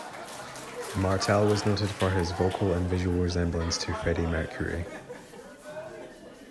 Martel was noted for his vocal and visual resemblance to Freddie Mercury.